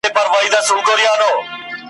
له خولې ووتله زرکه ناببره ,